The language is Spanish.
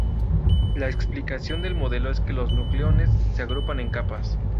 La explicación del modelo es que los nucleones se agrupan en "capas".